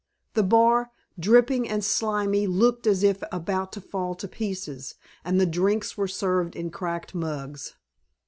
The bar, dripping and slimy, looked as if about to fall to pieces, and the drinks were served in cracked mugs.